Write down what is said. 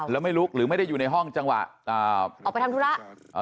แล้วไม่ลุกหรือไม่ได้อยู่ในห้องจังหวะออกไปทำธุระ